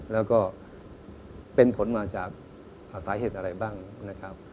แล้วก็เป็นผลมาจากสาเหตุอะไรบ้างนะครับ